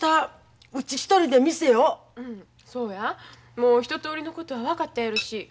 もう一とおりのことは分かったやろし。